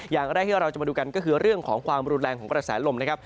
อย่างแรกที่เราจะมาดูกันก็คือเรื่องของความรุนแรงของกระแสลมนะครับ